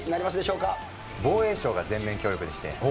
防衛省が全面協力でして。